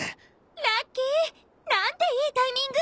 ラッキーなんていいタイミング。